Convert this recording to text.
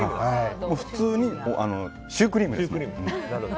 普通にシュークリームです。